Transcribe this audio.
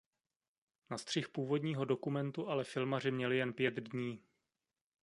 Na střih původního dokumentu ale filmaři měli jen pět dní.